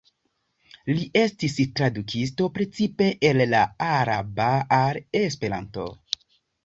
Li estis tradukisto precipe el la araba al esperanto.